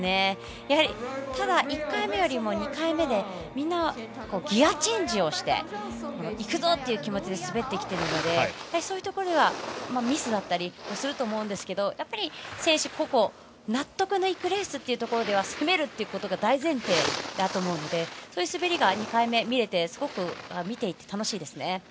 ただ、１回目よりも２回目みんな、ギヤチェンジをしていくぞという気持ちで滑ってきているのでそういうところでミスだったりもすると思うんですがやっぱり、選手個々納得のいくレースってことでは攻めるということが大前提だと思うのでそういう滑りが２回目見れて見ていてすごく楽しいですね。